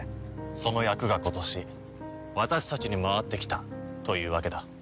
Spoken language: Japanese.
その役が今年私たちに回ってきたというわけだ。